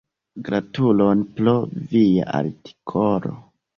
Gratulon pro via artikolo!